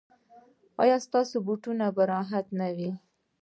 ایا ستاسو بوټونه به راحت نه وي؟